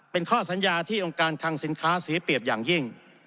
เป็นข้อสัญญาที่องค์การคังสินค้าเสียเปรียบอย่างยิ่ง